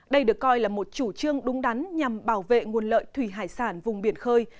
đây được coi là một chủ trương đúng đắn nhằm bảo vệ nguồn lợi thủy hải sản vùng biển khơi